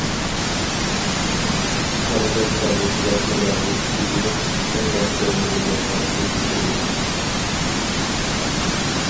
قىرغىز چارۋىچىلار ئۇلارنى تۇتۇۋېلىپ چىڭ لەشكەرلىرىگە تاپشۇرۇپ بېرىدۇ.